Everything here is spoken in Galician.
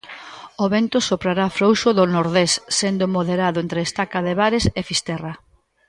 O vento soprará frouxo do nordés, sendo moderado entre Estaca de Bares e Fisterra.